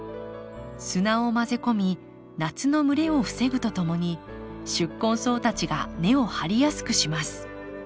砂を混ぜ込み夏の蒸れを防ぐとともに宿根草たちが根を張りやすくします